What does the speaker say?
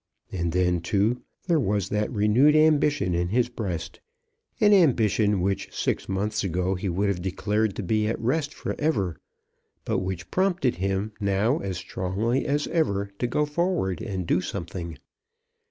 And then, too, there was that renewed ambition in his breast, an ambition which six months ago he would have declared to be at rest for ever, but which prompted him, now as strongly as ever, to go forward and do something.